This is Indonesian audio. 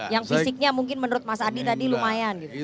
yang fisiknya mungkin menurut mas adi tadi lumayan